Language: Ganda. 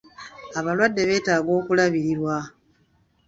Abalwadde beetaaga okulabirirwa.